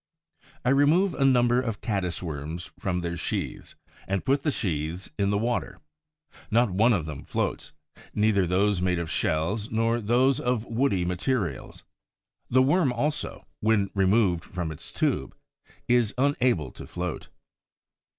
I remove a number of Caddis worms from their sheaths and put the sheaths in the water. Not one of them floats, neither those made of shells nor those of woody materials. The Worm also, when removed from its tube, is unable to float.